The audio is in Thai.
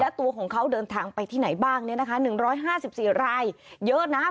และตัวของเขาเดินทางไปที่ไหนบ้างเนี่ยนะคะหนึ่งร้อยห้าสิบสี่รายเยอะนะครับ